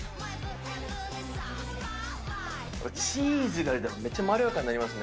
チーズがあるとめっちゃまろやかになりますね。